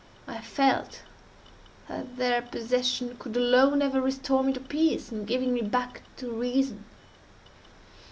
I felt that their possession could alone ever restore me to peace, in giving me back to reason.